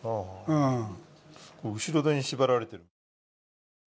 後ろ手に縛られている。